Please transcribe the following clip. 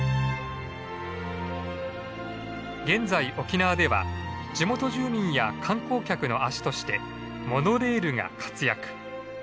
現在沖縄では地元住民や観光客の足としてモノレールが活躍。